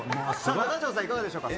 中条さん、いかがでしょうか。